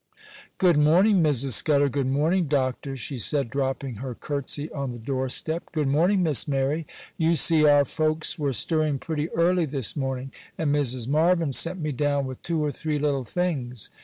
'Good morning, Mrs. Scudder. Good morning, Doctor,' she said, dropping her curtsy on the door step; 'good morning, Miss Mary. You see our folks were stirring pretty early this morning, and Mrs. Marvyn sent me down with two or three little things.